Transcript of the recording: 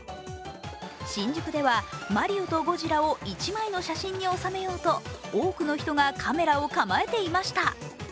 新宿ではマリオとゴジラを一枚の写真に収めようと多くの人がカメラを構えていました。